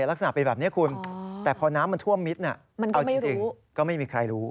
ลักษณะเป็นแบบนี้คุณแต่พอน้ำมันท่วมมิดเอาจริงก็ไม่มีใครรู้